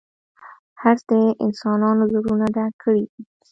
حرص د انسانانو زړونه ډک کړي دي.